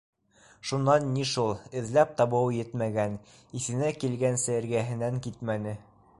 Шунан ни шул: эҙләп табыуы етмәгән, иҫенә килгәнсе эргәһенән китмәне...